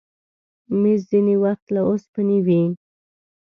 مېز ځینې وخت له اوسپنې وي.